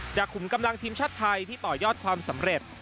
ขุมกำลังทีมชาติไทยที่ต่อยอดความสำเร็จ